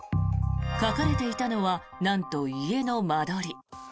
書かれていたのはなんと家の間取り。